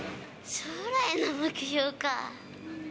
将来の目標か。